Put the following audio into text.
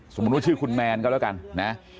สมมุติว่าชื่อคุณแมนก็แล้วกันนะ